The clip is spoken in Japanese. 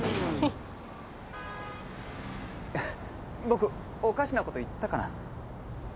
僕おかしなこと言ったかな？